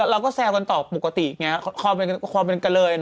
เราก็แซวกันต่อปกติไงความเป็นกระเลย